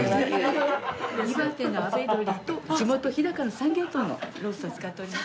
岩手のあべ鶏と地元日高の三元豚のロースを使っております。